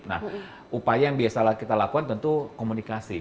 nah upaya yang biasa kita lakukan tentu komunikasi